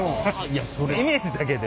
イメージだけで。